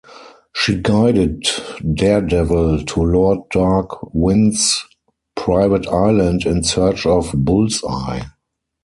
She guided Daredevil to Lord Dark Wind's private island in search of Bullseye.